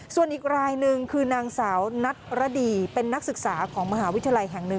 ส่วนอีกรายหนึ่งคือนางสาวนัทรดีเป็นนักศึกษาของมหาวิทยาลัยแห่งหนึ่ง